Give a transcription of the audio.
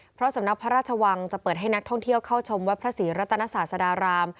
เพราะสำนักพระราชวังจะเปิดให้นักท่องเที่ยวเข้าชมวัดพระศรีรัตนศาสดาราม